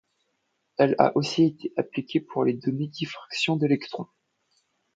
Elle a aussi été appliquée pour des données de diffraction d'électrons.